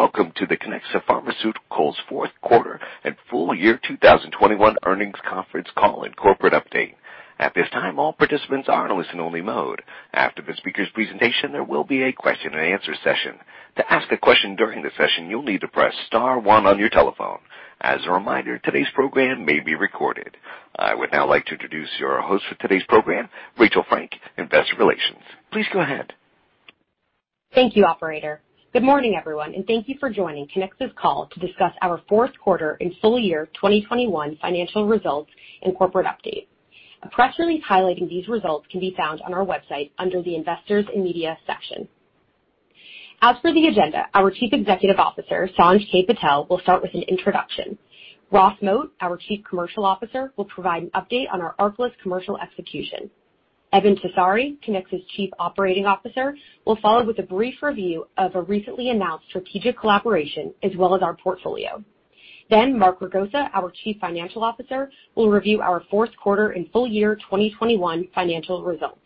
Welcome to the Kiniksa Pharmaceuticals fourth quarter and full year 2021 earnings conference call and corporate update. At this time, all participants are in listen only mode. After the speaker's presentation, there will be a question and answer session. To ask a question during the session, you'll need to press star one on your telephone. As a reminder, today's program may be recorded. I would now like to introduce your host for today's program, Rachel Frank, Investor Relations. Please go ahead. Thank you, operator. Good morning, everyone, and thank you for joining Kiniksa's call to discuss our fourth quarter and full year 2021 financial results and corporate update. A press release highlighting these results can be found on our website under the investors and media section. As for the agenda, our Chief Executive Officer, Sanj K. Patel, will start with an introduction. Ross Moat, our Chief Commercial Officer, will provide an update on our ARCALYST commercial execution. Eben Tessari, Kiniksa's Chief Operating Officer, will follow with a brief review of a recently announced strategic collaboration as well as our portfolio. Then Mark Ragosa, our Chief Financial Officer, will review our fourth quarter and full year 2021 financial results.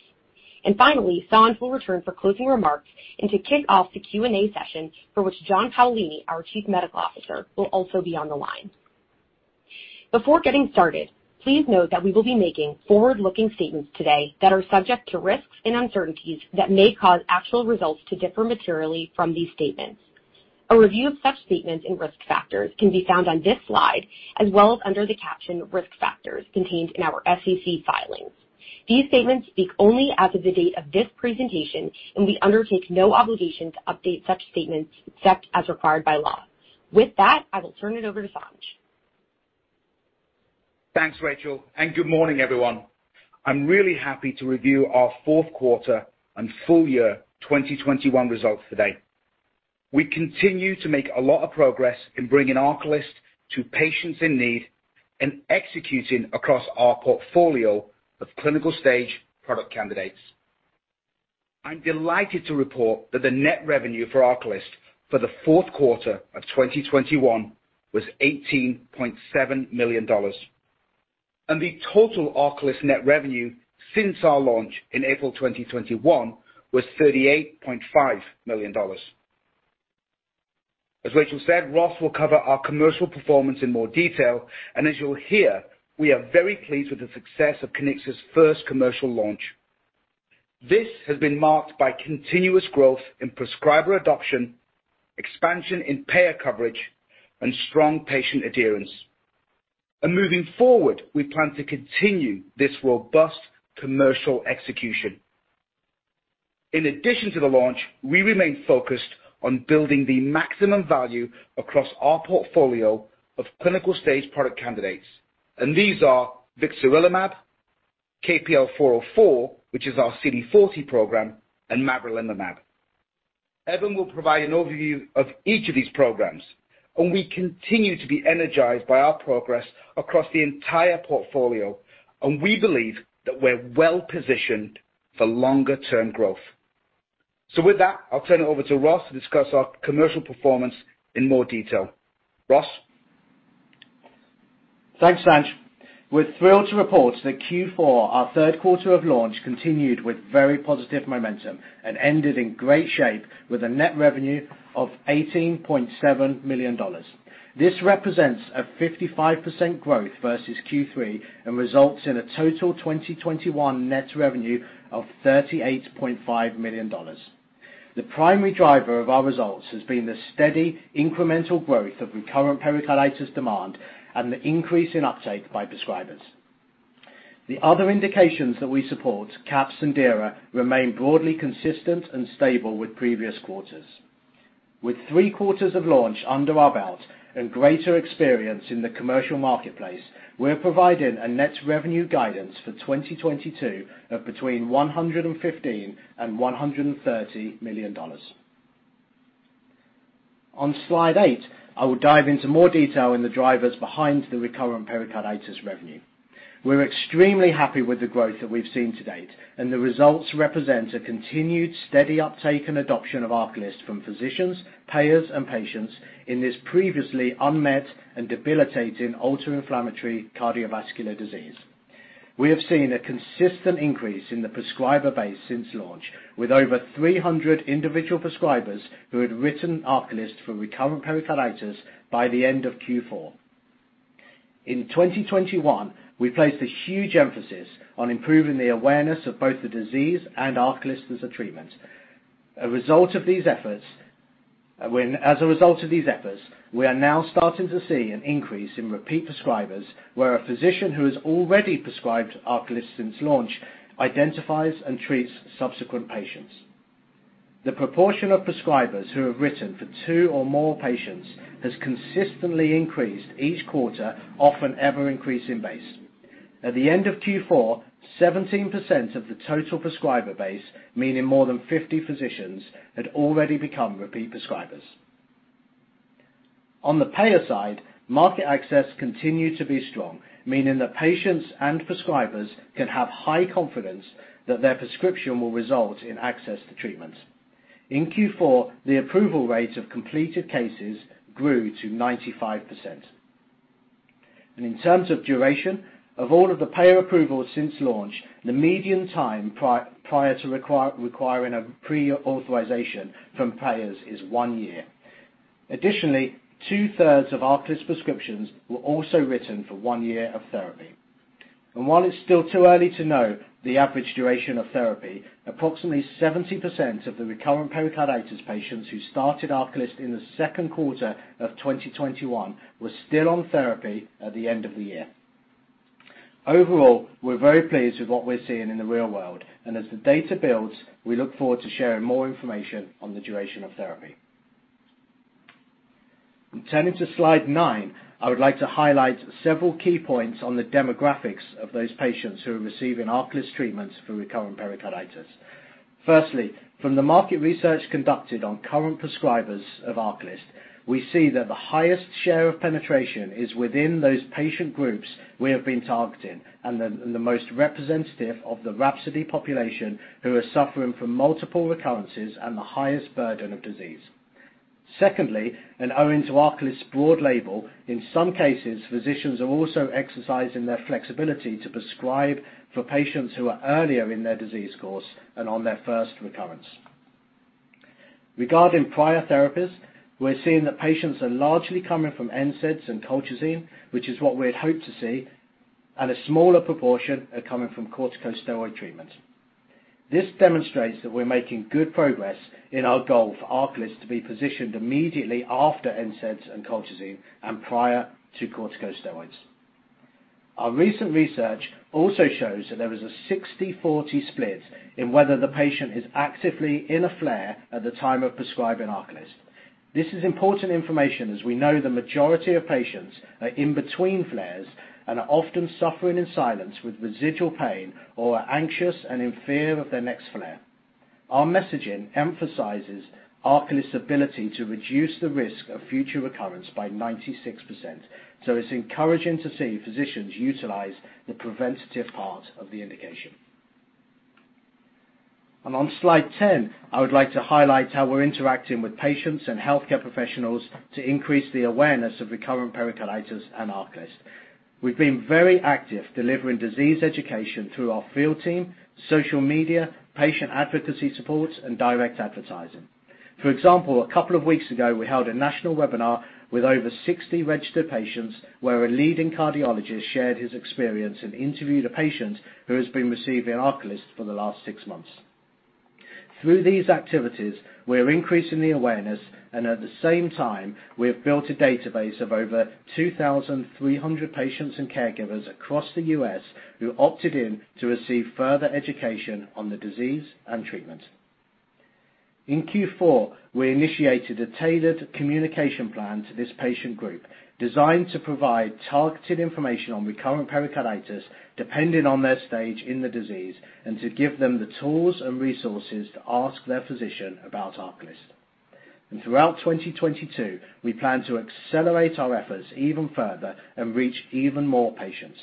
Finally, Sanj will return for closing remarks and to kick off the Q&A session for which John Paolini, our Chief Medical Officer, will also be on the line. Before getting started, please note that we will be making forward-looking statements today that are subject to risks and uncertainties that may cause actual results to differ materially from these statements. A review of such statements and risk factors can be found on this slide, as well as under the caption Risk Factors contained in our SEC filings. These statements speak only as of the date of this presentation, and we undertake no obligation to update such statements except as required by law. With that, I will turn it over to Sanj. Thanks, Rachel, and good morning, everyone. I'm really happy to review our fourth quarter and full year 2021 results today. We continue to make a lot of progress in bringing ARCALYST to patients in need and executing across our portfolio of clinical stage product candidates. I'm delighted to report that the net revenue for ARCALYST for the fourth quarter of 2021 was $18.7 million, and the total ARCALYST net revenue since our launch in April 2021 was $38.5 million. As Rachel said, Ross will cover our commercial performance in more detail, and as you'll hear, we are very pleased with the success of Kiniksa's first commercial launch. This has been marked by continuous growth in prescriber adoption, expansion in payer coverage, and strong patient adherence. Moving forward, we plan to continue this robust commercial execution. In addition to the launch, we remain focused on building the maximum value across our portfolio of clinical stage product candidates. These are vixarelimab, KPL-404, which is our CD40 program, and mavrilimumab. Eben will provide an overview of each of these programs, and we continue to be energized by our progress across the entire portfolio, and we believe that we're well-positioned for longer term growth. With that, I'll turn it over to Ross to discuss our commercial performance in more detail. Ross. Thanks, Sanj. We're thrilled to report that Q4, our third quarter of launch, continued with very positive momentum and ended in great shape with a net revenue of $18.7 million. This represents a 55% growth versus Q3 and results in a total 2021 net revenue of $38.5 million. The primary driver of our results has been the steady incremental growth of recurrent pericarditis demand and the increase in uptake by prescribers. The other indications that we support, CAPS and DIRA, remain broadly consistent and stable with previous quarters. With three-quarters of launch under our belt and greater experience in the commercial marketplace, we're providing a net revenue guidance for 2022 of between $115 million and $130 million. On slide eight, I will dive into more detail in the drivers behind the recurrent pericarditis revenue. We're extremely happy with the growth that we've seen to date, and the results represent a continued steady uptake and adoption of ARCALYST from physicians, payers, and patients in this previously unmet and debilitating ultra-inflammatory cardiovascular disease. We have seen a consistent increase in the prescriber base since launch, with over 300 individual prescribers who had written ARCALYST for recurrent pericarditis by the end of Q4. In 2021, we placed a huge emphasis on improving the awareness of both the disease and ARCALYST as a treatment. As a result of these efforts, we are now starting to see an increase in repeat prescribers, where a physician who has already prescribed ARCALYST since launch identifies and treats subsequent patients. The proportion of prescribers who have written for two or more patients has consistently increased each quarter, on an ever-increasing base. At the end of Q4, 17% of the total prescriber base, meaning more than 50 physicians, had already become repeat prescribers. On the payer side, market access continued to be strong, meaning that patients and prescribers can have high confidence that their prescription will result in access to treatment. In Q4, the approval rate of completed cases grew to 95%. In terms of duration, of all of the payer approvals since launch, the median time prior to requiring a pre-authorization from payers is one year. Additionally, 2/3 of ARCALYST prescriptions were also written for one year of therapy. While it's still too early to know the average duration of therapy, approximately 70% of the recurrent pericarditis patients who started ARCALYST in the second quarter of 2021 were still on therapy at the end of the year. Overall, we're very pleased with what we're seeing in the real world, and as the data builds, we look forward to sharing more information on the duration of therapy. Turning to slide nine, I would like to highlight several key points on the demographics of those patients who are receiving ARCALYST treatments for recurrent pericarditis. Firstly, from the market research conducted on current prescribers of ARCALYST, we see that the highest share of penetration is within those patient groups we have been targeting, and the most representative of the RHAPSODY population who are suffering from multiple recurrences and the highest burden of disease. Secondly, owing to ARCALYST's broad label, in some cases, physicians are also exercising their flexibility to prescribe for patients who are earlier in their disease course and on their first recurrence. Regarding prior therapies, we're seeing that patients are largely coming from NSAIDs and colchicine, which is what we'd hoped to see, and a smaller proportion are coming from corticosteroid treatments. This demonstrates that we're making good progress in our goal for ARCALYST to be positioned immediately after NSAIDs and colchicine and prior to corticosteroids. Our recent research also shows that there is a 60/40 split in whether the patient is actively in a flare at the time of prescribing ARCALYST. This is important information, as we know the majority of patients are in between flares and are often suffering in silence with residual pain or are anxious and in fear of their next flare. Our messaging emphasizes ARCALYST's ability to reduce the risk of future recurrence by 96%, so it's encouraging to see physicians utilize the preventative part of the indication. On slide 10, I would like to highlight how we're interacting with patients and healthcare professionals to increase the awareness of recurrent pericarditis and ARCALYST. We've been very active delivering disease education through our field team, social media, patient advocacy supports, and direct advertising. For example, a couple of weeks ago, we held a national webinar with over 60 registered patients, where a leading cardiologist shared his experience and interviewed a patient who has been receiving ARCALYST for the last 6 months. Through these activities, we're increasing the awareness, and at the same time, we have built a database of over 2,300 patients and caregivers across the U.S. who opted in to receive further education on the disease and treatment. In Q4, we initiated a tailored communication plan to this patient group designed to provide targeted information on recurrent pericarditis depending on their stage in the disease and to give them the tools and resources to ask their physician about ARCALYST. Throughout 2022, we plan to accelerate our efforts even further and reach even more patients.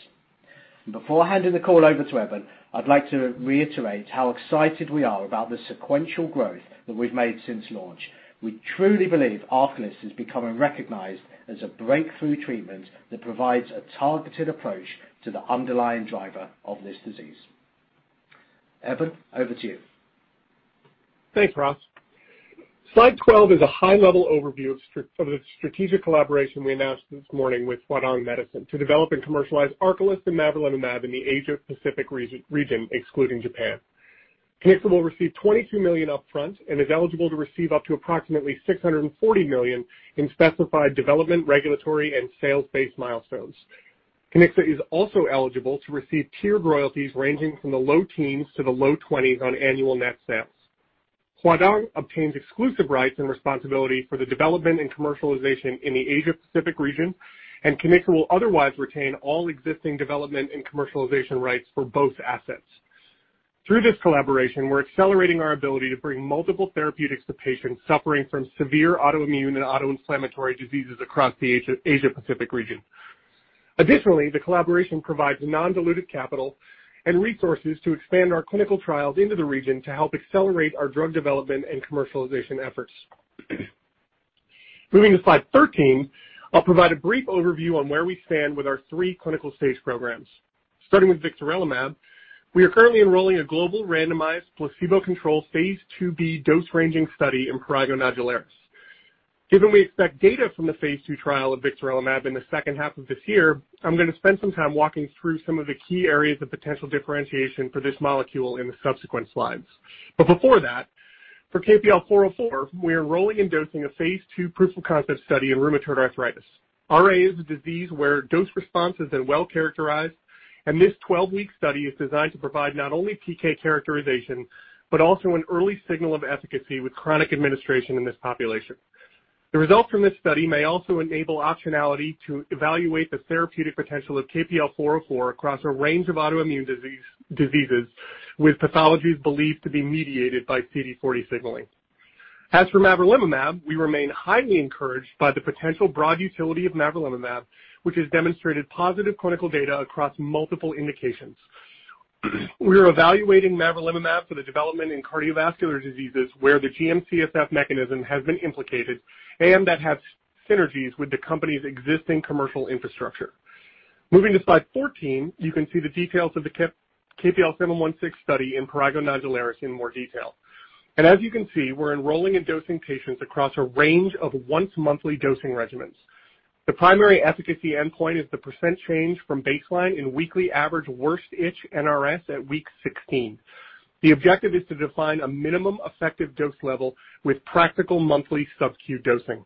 Before handing the call over to Evan, I'd like to reiterate how excited we are about the sequential growth that we've made since launch. We truly believe ARCALYST is becoming recognized as a breakthrough treatment that provides a targeted approach to the underlying driver of this disease. Eben, over to you. Thanks, Ross. Slide 12 is a high-level overview of the strategic collaboration we announced this morning with Huadong Medicine to develop and commercialize ARCALYST and mavrilimumab in the Asia-Pacific region, excluding Japan. Kiniksa will receive $22 million upfront and is eligible to receive up to approximately $640 million in specified development, regulatory, and sales-based milestones. Kiniksa is also eligible to receive tiered royalties ranging from the low teens to the low twenties on annual net sales. Huadong obtains exclusive rights and responsibility for the development and commercialization in the Asia-Pacific region, and Kiniksa will otherwise retain all existing development and commercialization rights for both assets. Through this collaboration, we're accelerating our ability to bring multiple therapeutics to patients suffering from severe autoimmune and autoinflammatory diseases across the Asia-Pacific region. Additionally, the collaboration provides non-diluted capital and resources to expand our clinical trials into the region to help accelerate our drug development and commercialization efforts. Moving to slide 13, I'll provide a brief overview on where we stand with our three clinical-stage programs. Starting with vixarelimab, we are currently enrolling a global randomized placebo-controlled phase IIb dose-ranging study in prurigo nodularis. Given we expect data from the phase II trial of vixarelimab in the second half of this year, I'm gonna spend some time walking through some of the key areas of potential differentiation for this molecule in the subsequent slides. Before that, for KPL-404, we are enrolling and dosing a phase II proof-of-concept study in rheumatoid arthritis. RA is a disease where dose response has been well-characterized, and this 12-week study is designed to provide not only PK characterization, but also an early signal of efficacy with chronic administration in this population. The results from this study may also enable optionality to evaluate the therapeutic potential of KPL-404 across a range of autoimmune diseases with pathologies believed to be mediated by CD40 signaling. As for mavrilimumab, we remain highly encouraged by the potential broad utility of mavrilimumab, which has demonstrated positive clinical data across multiple indications. We are evaluating mavrilimumab for the development in cardiovascular diseases where the GM-CSF mechanism has been implicated and that has synergies with the company's existing commercial infrastructure. Moving to slide 14, you can see the details of the KPL-716 study in prurigo nodularis in more detail. As you can see, we're enrolling and dosing patients across a range of once monthly dosing regimens. The primary efficacy endpoint is the percent change from baseline in weekly average worst itch NRS at week 16. The objective is to define a minimum effective dose level with practical monthly sub-Q dosing.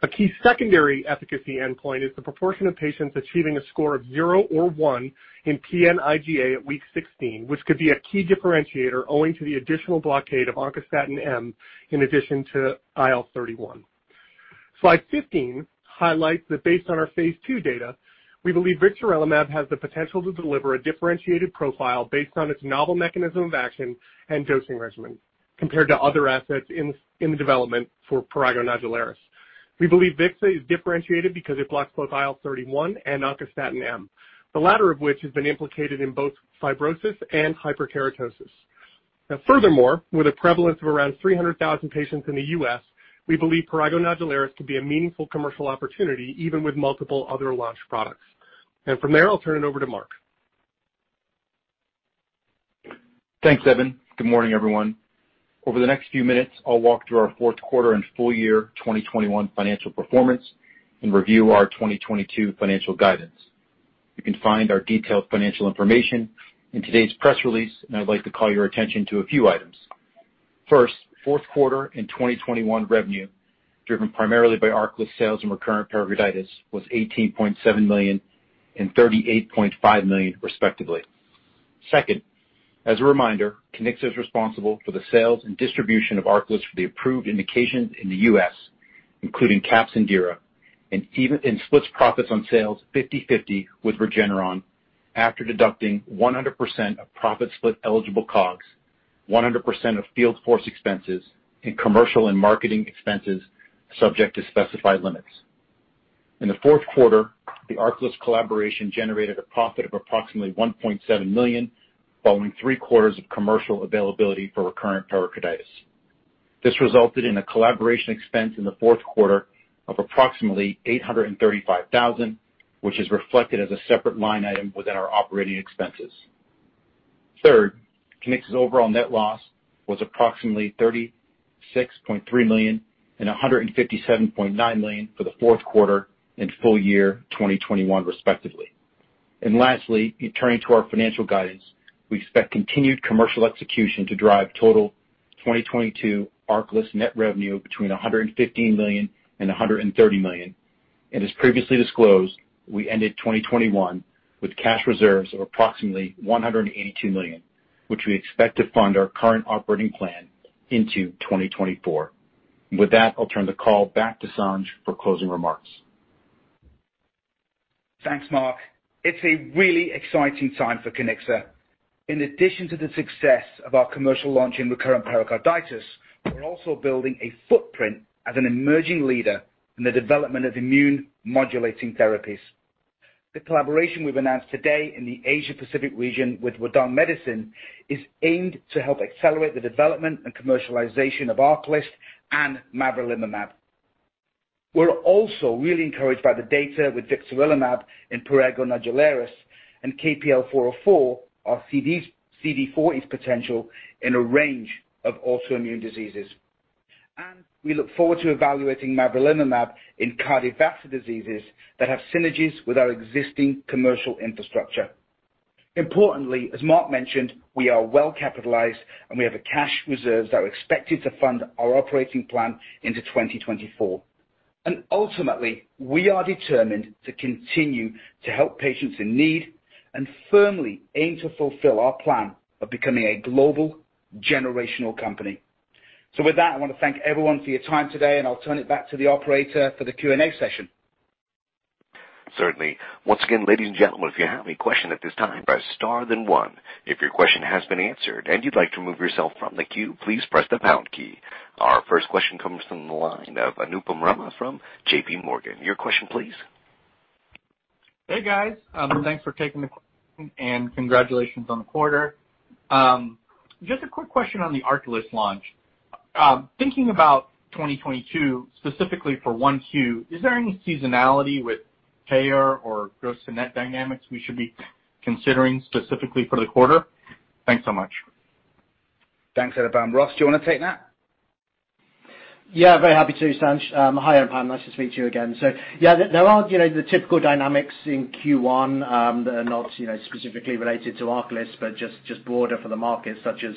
A key secondary efficacy endpoint is the proportion of patients achieving a score of 0 or 1 in PN-IGA at week 16, which could be a key differentiator owing to the additional blockade of Oncostatin M in addition to IL-31. Slide 15 highlights that based on our phase II data, we believe vixarelimab has the potential to deliver a differentiated profile based on its novel mechanism of action and dosing regimen compared to other assets in the development for prurigo nodularis. We believe vixarelimab is differentiated because it blocks both IL-31 and oncostatin M, the latter of which has been implicated in both fibrosis and hyperkeratosis. Now furthermore, with a prevalence of around 300,000 patients in the U.S., we believe prurigo nodularis could be a meaningful commercial opportunity even with multiple other large products. From there, I'll turn it over to Mark. Thanks, Eben. Good morning, everyone. Over the next few minutes, I'll walk through our fourth quarter and full year 2021 financial performance and review our 2022 financial guidance. You can find our detailed financial information in today's press release, and I'd like to call your attention to a few items. First, fourth quarter in 2021 revenue, driven primarily by ARCALYST sales and recurrent pericarditis, was $18.7 million and $38.5 million respectively. Second, as a reminder, Kiniksa is responsible for the sales and distribution of ARCALYST for the approved indications in the U.S., including CAPS and DIRA, and splits profits on sales 50/50 with Regeneron after deducting 100% of profit split eligible COGS, 100% of field force expenses, and commercial and marketing expenses subject to specified limits. In the fourth quarter, the ARCALYST collaboration generated a profit of approximately $1.7 million, following three quarters of commercial availability for recurrent pericarditis. This resulted in a collaboration expense in the fourth quarter of approximately $835,000, which is reflected as a separate line item within our operating expenses. Third, Kiniksa's overall net loss was approximately $36.3 million and $157.9 million for the fourth quarter and full year 2021 respectively. Lastly, in turning to our financial guidance, we expect continued commercial execution to drive total 2022 ARCALYST net revenue between $115 million and $130 million. As previously disclosed, we ended 2021 with cash reserves of approximately $182 million, which we expect to fund our current operating plan into 2024. With that, I'll turn the call back to Sanj for closing remarks. Thanks, Mark. It's a really exciting time for Kiniksa. In addition to the success of our commercial launch in recurrent pericarditis, we're also building a footprint as an emerging leader in the development of immune modulating therapies. The collaboration we've announced today in the Asia Pacific region with Huadong Medicine is aimed to help accelerate the development and commercialization of ARCALYST and mavrilimumab. We're also really encouraged by the data with vixarelimab in prurigo nodularis and KPL-404, our CD40's potential in a range of autoimmune diseases. We look forward to evaluating mavrilimumab in cardiovascular diseases that have synergies with our existing commercial infrastructure. Importantly, as Mark mentioned, we are well capitalized, and we have cash reserves that are expected to fund our operating plan into 2024. Ultimately, we are determined to continue to help patients in need and firmly aim to fulfill our plan of becoming a global generational company. With that, I want to thank everyone for your time today, and I'll turn it back to the operator for the Q&A session. Certainly. Once again, ladies and gentlemen, if you have any question at this time, press star then one. If your question has been answered and you'd like to remove yourself from the queue, please press the pound key. Our first question comes from the line of Anupam Rama from JPMorgan. Your question please. Hey, guys. Thanks for taking the call and congratulations on the quarter. Just a quick question on the ARCALYST launch. Thinking about 2022 specifically for Q1, is there any seasonality with payer or gross to net dynamics we should be considering specifically for the quarter? Thanks so much. Thanks. Anupam. Ross, do you want to take that? Yeah, very happy to Sanj. Hi Anupam, nice to meet you again. Yeah, there are, you know, the typical dynamics in Q1 that are not, you know, specifically related to ARCALYST, but just broader for the market such as,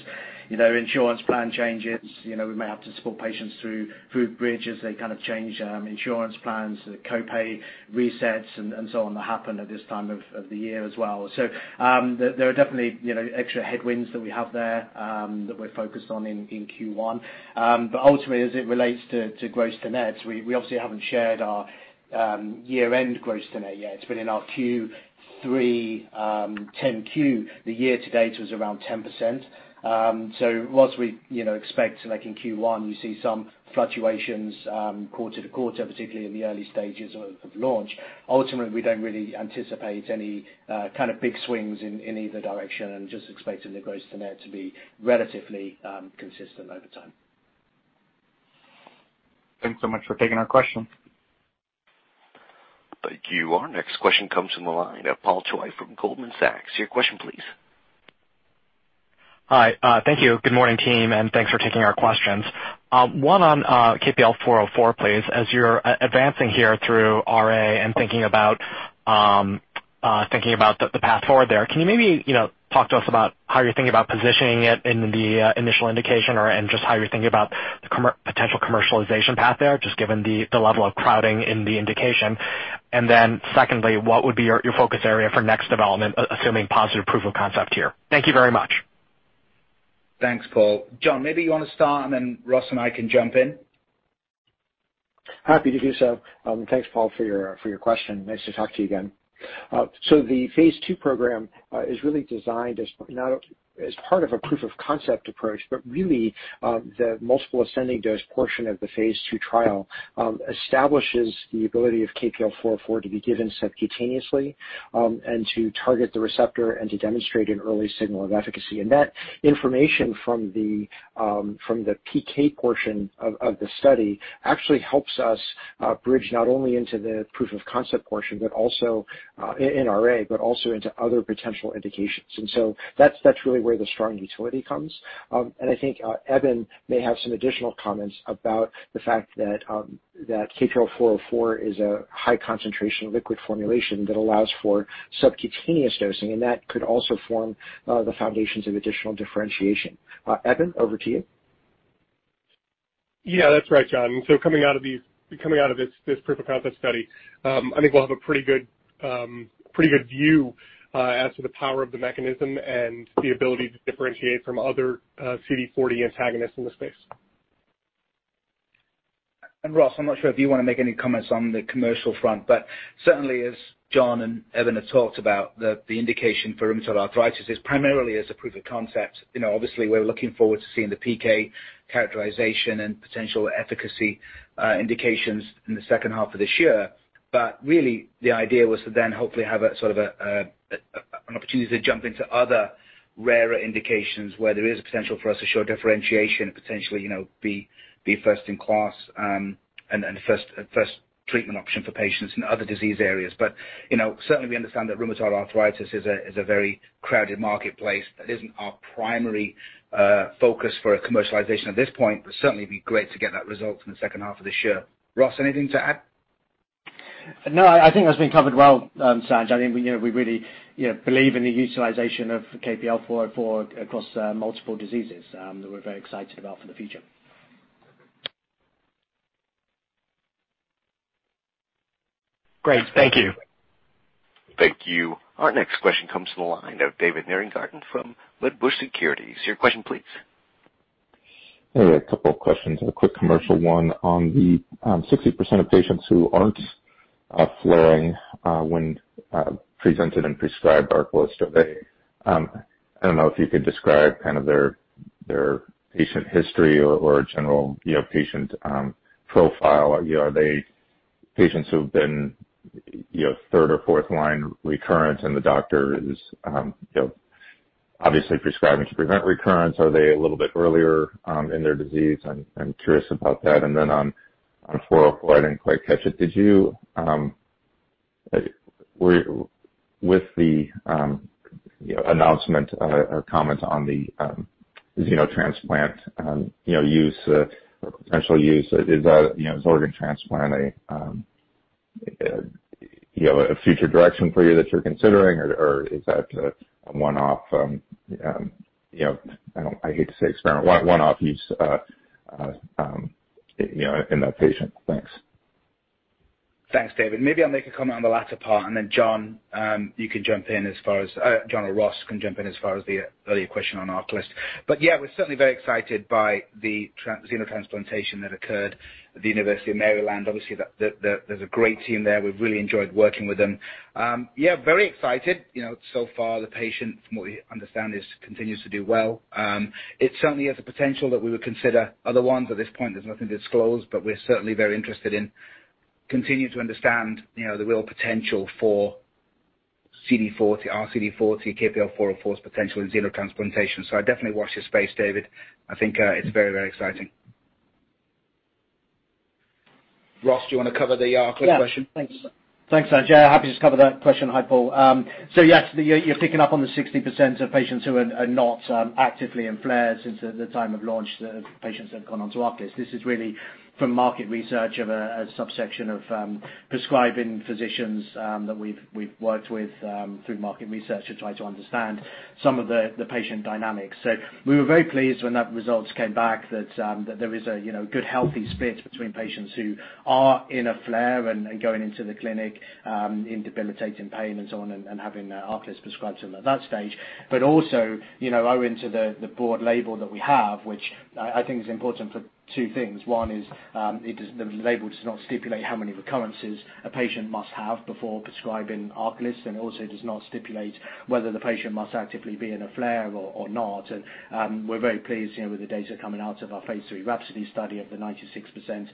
you know, insurance plan changes. You know, we may have to support patients through bridges. They kind of change insurance plans, co-pay resets and so on that happen at this time of the year as well. There are definitely, you know, extra headwinds that we have there that we're focused on in Q1. But ultimately, as it relates to gross to nets, we obviously haven't shared our year-end gross to net yet. But in our Q3 10-Q, the year to date was around 10%. While we, you know, expect like in Q1, you see some fluctuations quarter to quarter, particularly in the early stages of launch, ultimately, we don't really anticipate any kind of big swings in either direction and just expecting the gross to net to be relatively consistent over time. Thanks so much for taking our question. Thank you. Our next question comes from the line of Paul Choi from Goldman Sachs. Your question please. Good morning team, and thanks for taking our questions. One on KPL-404 please. As you're advancing here through RA and thinking about the path forward there, can you maybe, you know, talk to us about how you're thinking about positioning it in the initial indication or and just how you're thinking about the potential commercialization path there, just given the level of crowding in the indication. And then secondly, what would be your focus area for next development assuming positive proof of concept here? Thank you very much. Thanks, Paul. John, maybe you wanna start and then Ross and I can jump in. Happy to do so. Thanks Paul for your question. Nice to talk to you again. The phase II program is really designed as not only as part of a proof of concept approach, but really the multiple ascending dose portion of the phase II trial establishes the ability of KPL-404 to be given subcutaneously and to target the receptor and to demonstrate an early signal of efficacy. That information from the PK portion of the study actually helps us bridge not only into the proof of concept portion, but also in RA, but also into other potential indications. That's really where the strong utility comes. I think Evan may have some additional comments about the fact that KPL-404 is a high concentration liquid formulation that allows for subcutaneous dosing, and that could also form the foundations of additional differentiation. Eben, over to you. Yeah, that's right, John. Coming out of this proof of concept study, I think we'll have a pretty good view as to the power of the mechanism and the ability to differentiate from other CD40 antagonists in the space. Ross, I'm not sure if you wanna make any comments on the commercial front, but certainly as John and Eben have talked about the indication for rheumatoid arthritis is primarily as a proof of concept. You know, obviously we're looking forward to seeing the PK characterization and potential efficacy indications in the second half of this year. But really the idea was to then hopefully have a sort of an opportunity to jump into other rarer indications where there is a potential for us to show differentiation and potentially, you know, be first in class and first treatment option for patients in other disease areas. But, you know, certainly we understand that rheumatoid arthritis is a very crowded marketplace. That isn't our primary focus for a commercialization at this point, but certainly be great to get that result in the second half of this year. Ross, anything to add? No, I think that's been covered well, Sanj. I think we, you know, we really, you know, believe in the utilization of KPL-404 across multiple diseases that we're very excited about for the future. Great. Thank you. Thank you. Our next question comes from the line of David Nierengarten from Wedbush Securities. Your question please. Hey, a couple of questions. A quick commercial one on the 60% of patients who aren't flaring when presented and prescribed ARCALYST, are they I don't know if you could describe kind of their patient history or general, you know, patient profile. You know, are they patients who've been you know, third or fourth line recurrence, and the doctor is you know, obviously prescribing to prevent recurrence? Are they a little bit earlier in their disease? I'm curious about that. On KPL-404, I didn't quite catch it. Did you with the you know announcement or comment on the xenotransplantation you know use or potential use, is that you know is organ transplant a you know a future direction for you that you're considering or is that a one-off you know I hate to say experiment, one-off use you know in that patient? Thanks. Thanks David. Maybe I'll make a comment on the latter part and then John, you can jump in as far as John or Ross can jump in as far as the earlier question on ARCALYST. Yeah, we're certainly very excited by the xenotransplantation that occurred at the University of Maryland. Obviously that there's a great team there. We've really enjoyed working with them. Yeah, very excited. You know, so far the patient from what we understand is continues to do well. It certainly has the potential that we would consider other ones. At this point, there's nothing to disclose, but we are certainly very interested in continuing to understand, you know, the real potential for CD40, KPL-404's potential in xenotransplantation. I'd definitely watch this space, David. I think it's very, very exciting. Ross, do you wanna cover the ARCALYST question? Yeah. Thanks. Thanks Sanj. Yeah, happy to just cover that question. Hi David. Yes, you're picking up on the 60% of patients who are not actively in flare since the time of launch that patients have gone on to ARCALYST. This is really from market research of a subsection of prescribing physicians that we've worked with through market research to try to understand some of the patient dynamics. We were very pleased when that results came back that there is a you know good healthy split between patients who are in a flare and going into the clinic in debilitating pain and so on and having ARCALYST prescribed to them at that stage. You know, owing to the broad label that we have, which I think is important for two things. One is, the label does not stipulate how many recurrences a patient must have before prescribing ARCALYST, and it also does not stipulate whether the patient must actively be in a flare or not. We're very pleased, you know, with the data coming out of our phase III RHAPSODY study of the 96%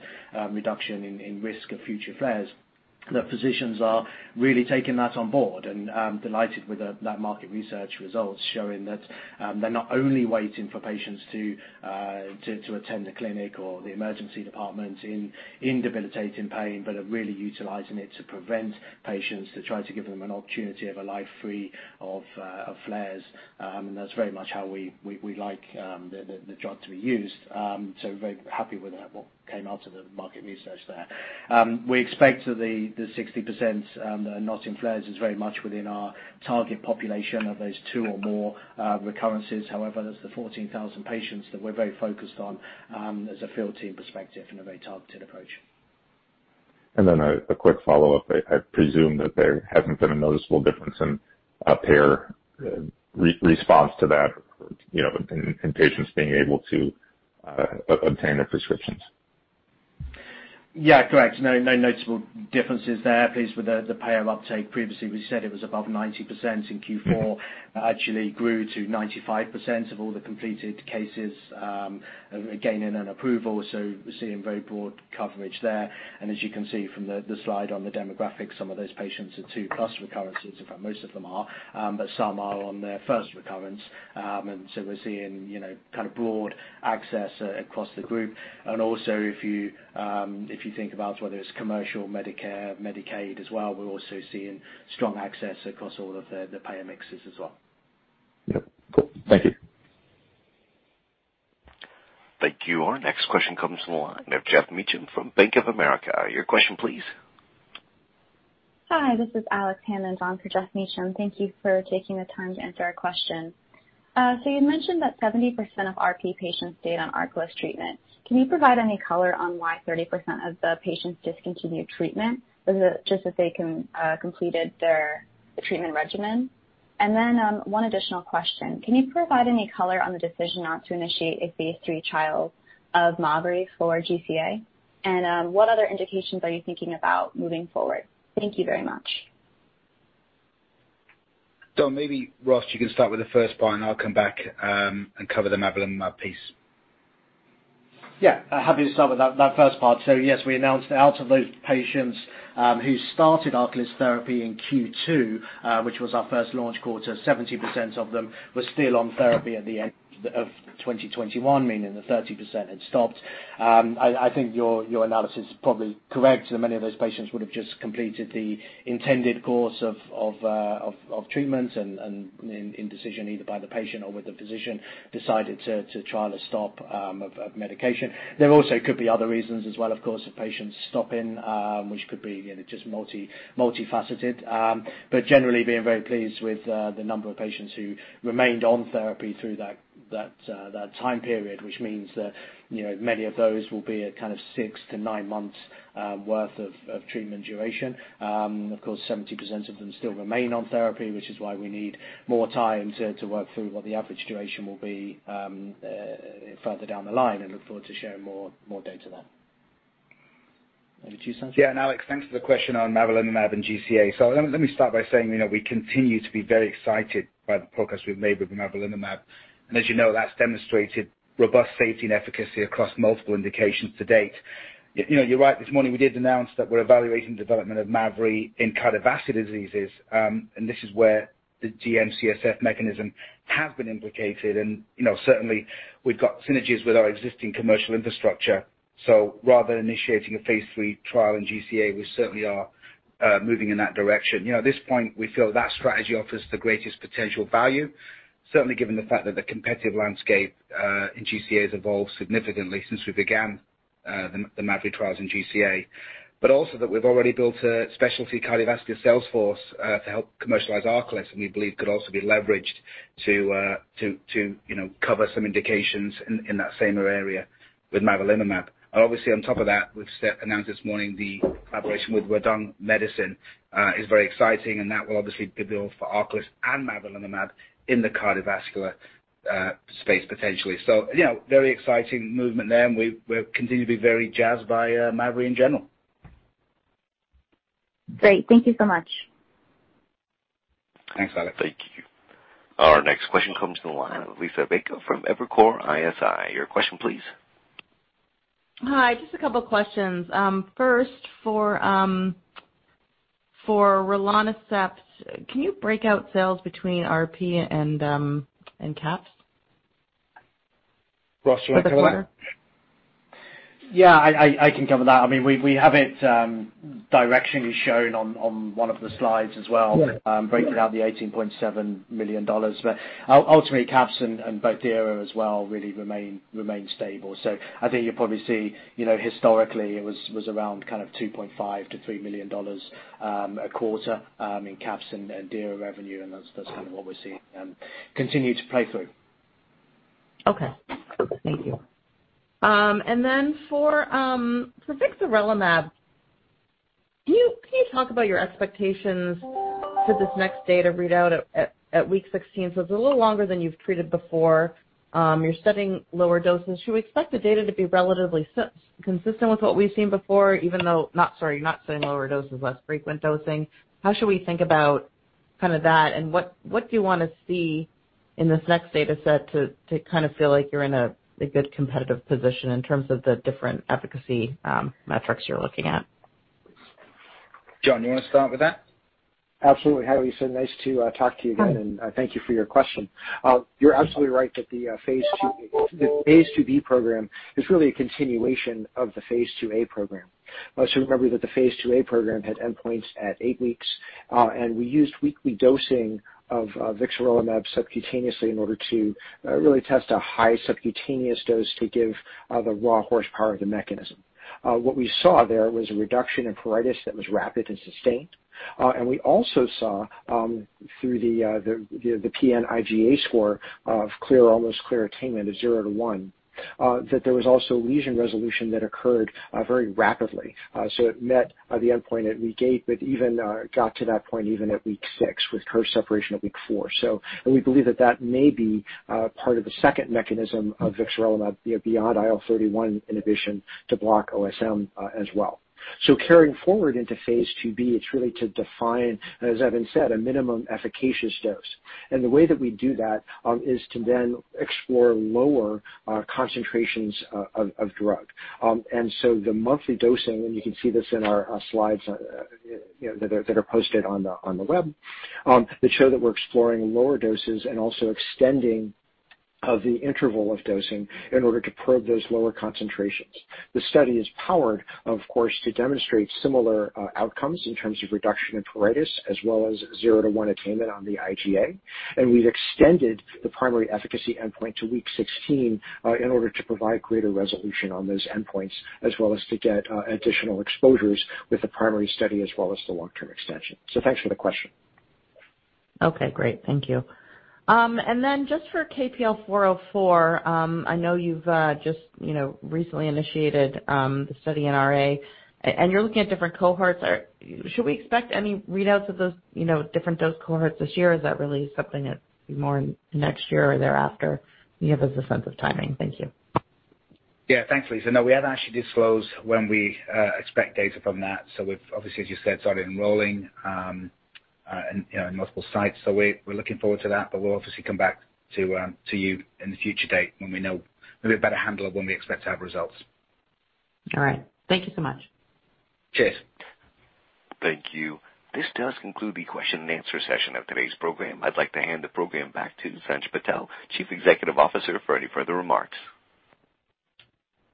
reduction in risk of future flares that physicians are really taking that on board, and delighted with that market research results showing that they're not only waiting for patients to attend the clinic or the emergency department in debilitating pain, but are really utilizing it to prevent patients to try to give them an opportunity of a life free of flares. And that's very much how we like the drug to be used. Very happy with that, what came out of the market research there. We expect the 60% not in flares is very much within our target population of those two or more recurrences. However, that's the 14,000 patients that we're very focused on as a field team perspective and a very targeted approach. A quick follow-up. I presume that there hasn't been a noticeable difference in payer response to that, you know, in patients being able to obtain their prescriptions. Yeah, correct. No noticeable differences there, at least with the payer uptake. Previously, we said it was above 90% in Q4. Actually grew to 95% of all the completed cases, again in an approval. We're seeing very broad coverage there. As you can see from the slide on the demographics, some of those patients are 2+ recurrences, in fact, most of them are. But some are on their first recurrence. We're seeing, you know, kind of broad access across the group. If you think about whether it's commercial Medicare, Medicaid as well, we're also seeing strong access across all of the payer mixes as well. Yep. Cool. Thank you. Thank you. Our next question comes from the line of Geoff Meacham from Bank of America. Your question please. Hi, this is Alexandria Hammond on for Geoff Meacham. Thank you for taking the time to answer our question. So you mentioned that 70% of RP patients stayed on ARCALYST treatment. Can you provide any color on why 30% of the patients discontinued treatment? Was it just that they completed their treatment regimen? One additional question. Can you provide any color on the decision not to initiate a phase III trial of mavrilimumab for GCA? What other indications are you thinking about moving forward? Thank you very much. John, maybe Ross, you can start with the first part, and I'll come back and cover the mavrilimumab piece. Yeah. Happy to start with that first part. Yes, we announced out of those patients who started ARCALYST therapy in Q2, which was our first launch quarter, 70% of them were still on therapy at the end of 2021, meaning that 30% had stopped. I think your analysis is probably correct that many of those patients would have just completed the intended course of treatment and in discussion, either by the patient or with the physician, decided to try to stop off of medication. There also could be other reasons as well, of course, of patients stopping, which could be, you know, just multifaceted. Generally being very pleased with the number of patients who remained on therapy through that time period, which means that, you know, many of those will be at kind of six to nine months' worth of treatment duration. Of course, 70% of them still remain on therapy, which is why we need more time to work through what the average duration will be further down the line, and look forward to sharing more data there. Over to you, Sanjy. Yeah. Alex, thanks for the question on mavrilimumab and GCA. So let me start by saying, you know, we continue to be very excited by the progress we've made with mavrilimumab. As you know, that's demonstrated robust safety and efficacy across multiple indications to date. You know, you're right, this morning we did announce that we're evaluating development of mavrilimumab in cardiovascular diseases, and this is where the GM-CSF mechanism has been implicated. You know, certainly we've got synergies with our existing commercial infrastructure. Rather than initiating a phase III trial in GCA, we certainly are moving in that direction. You know, at this point, we feel that strategy offers the greatest potential value, certainly given the fact that the competitive landscape in GCA evolved significantly since we began the mavrilimumab trials in GCA. Also that we've already built a specialty cardiovascular sales force to help commercialize ARCALYST, and we believe could also be leveraged to you know, cover some indications in that same area with mavrilimumab. Obviously on top of that, we've just announced this morning the collaboration with Huadong Medicine is very exciting, and that will obviously be built for ARCALYST and mavrilimumab in the cardiovascular space potentially. You know, very exciting movement there, and we continue to be very jazzed by Mavri in general. Great. Thank you so much. Thanks, Alex. Thank you. Our next question comes to the line of Liisa Bayko from Evercore ISI. Your question please. Hi. Just a couple of questions. First, for rilonacept, can you break out sales between RP and CAPS? Ross, do you want to cover that? For the quarter. Yeah, I can cover that. I mean, we have it directionally shown on one of the slides as well. Yeah. Breaking out the $18.7 million. But ultimately, CAPS and both DIRA as well really remain stable. So I think you probably see, you know, historically it was around kind of $2.5 million-$3 million a quarter in CAPS and DIRA revenue, and that's kind of what we're seeing continue to play through. Okay. Thank you. And then for vixarelimab, can you talk about your expectations for this next data readout at week 16? So it's a little longer than you've treated before. You're studying lower doses. Should we expect the data to be relatively consistent with what we've seen before, even though not studying lower doses, less frequent dosing. How should we think about that, and what do you wanna see in this next data set to kind of feel like you're in a good competitive position in terms of the different efficacy metrics you're looking at? John, you wanna start with that? Absolutely. Hi, Liisa. Nice to talk to you again. Mm-hmm. Thank you for your question. You're absolutely right that the phase IIb program is really a continuation of the phase IIa program. Remember that the phase IIa program had endpoints at 8 weeks, and we used weekly dosing of vixarelimab subcutaneously in order to really test a high subcutaneous dose to give the raw horsepower of the mechanism. What we saw there was a reduction in pruritus that was rapid and sustained. We also saw through the PN-IGA score of clear, almost clear attainment of 0-1 that there was also lesion resolution that occurred very rapidly. It met the endpoint at week 8, but even got to that point even at week 6 with clear separation at week 4. We believe that may be part of the second mechanism of vixarelimab, you know, beyond IL-31 inhibition to block OSM as well. Carrying forward into phase IIb, it's really to define, as Evan said, a minimum efficacious dose. The way that we do that is to then explore lower concentrations of drug. The monthly dosing, and you can see this in our slides, you know, that are posted on the web, that show that we're exploring lower doses and also extending the interval of dosing in order to probe those lower concentrations. The study is powered, of course, to demonstrate similar outcomes in terms of reduction in pruritus as well as 0-1 attainment on the IGA. We've extended the primary efficacy endpoint to week 16, in order to provide greater resolution on those endpoints, as well as to get additional exposures with the primary study as well as the long-term extension. Thanks for the question. Okay, great. Thank you. Then just for KPL-404, I know you've just, you know, recently initiated the study in RA. And you're looking at different cohorts. Should we expect any readouts of those, you know, different dose cohorts this year? Is that really something that's more next year or thereafter? Can you give us a sense of timing? Thank you. Yeah. Thanks, Lisa. No, we have actually disclosed when we expect data from that. We've obviously, as you said, started enrolling in you know in multiple sites. We're looking forward to that, but we'll obviously come back to you in a future date when we know maybe a better handle of when we expect to have results. All right. Thank you so much. Cheers. Thank you. This does conclude the question and answer session of today's program. I'd like to hand the program back to Sanj Patel, Chief Executive Officer, for any further remarks.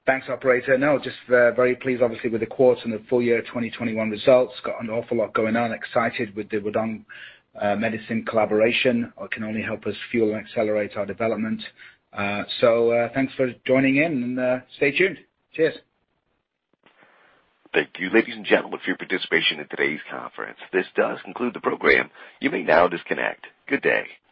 Thanks, operator. No, just very pleased obviously with the quarter and the full year 2021 results. Got an awful lot going on. Excited with the Huadong Medicine collaboration. Can only help us fuel and accelerate our development. Thanks for joining in and stay tuned. Cheers. Thank you. Ladies and gentlemen, for your participation in today's conference, this does conclude the program. You may now disconnect. Good day.